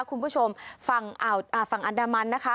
คุณผู้ชมฝั่งอันดามันนะคะ